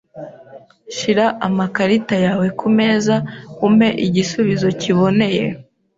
Shira amakarita yawe kumeza umpe igisubizo kiboneye!